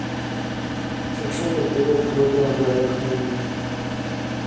Cherchons quel peut être l'auteur de la lettre anonyme.